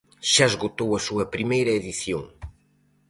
Xa esgotou a súa primeira edición.